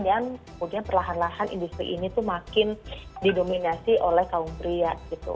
dan kemudian perlahan lahan industri ini makin didominasi oleh kaum pria